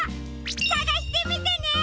さがしてみてね！